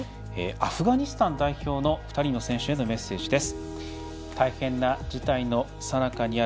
アフガニスタン代表の２人の選手へのメッセージです。